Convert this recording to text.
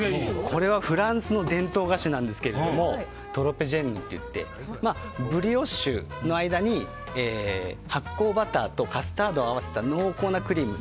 これはフランスの伝統菓子なんですがトロペジェンヌっていってブリオッシュの間に発酵バターとカスタードを合わせた濃厚なクリーム。